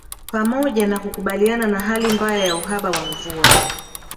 Pamoja na kukabiliana na hali mbaya ya uhaba wa mvua